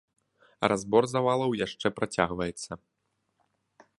Разбор завалаў яшчэ працягваецца.